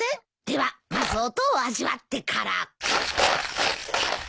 ではまず音を味わってから。